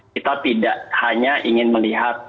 kita tidak hanya ingin melihat